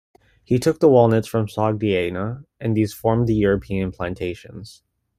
He took the walnuts from Sogdiana, and these formed the European plantations.